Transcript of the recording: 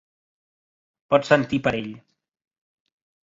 Pots sentir per ell.